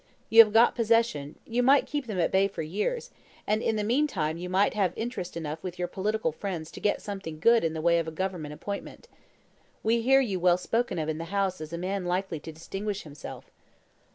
You have got possession, you might keep them at bay for years, and in the meantime you might have interest enough with your political friends to get something good in the way of a government appointment. We hear you well spoken of in the House as a man likely to distinguish himself."